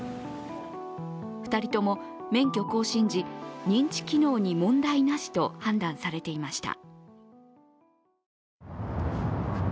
２人とも免許更新時認知機能に問題なしと判断されていました。